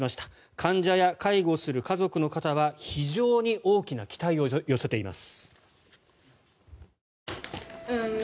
患者や介護する家族の方は非常に大きな期待を寄せています。